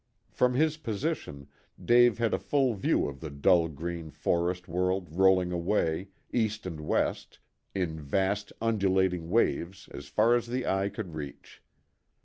From his position Dave had a full view of the dull green forest world rolling away, east and west, in vast, undulating waves as far as the eye could reach.